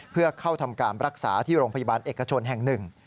เพื่อเข้าทำการรักษาที่โรงพยาบาลเอกชนแห่งหนึ่ง